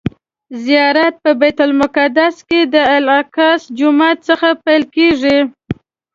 زیارت په بیت المقدس کې د الاقصی جومات څخه پیل کیږي.